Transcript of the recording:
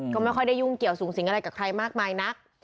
ก็ไม่ค่อยได้ยุ่งเกี่ยวสูงสิงอะไรกับใครมากมายนัก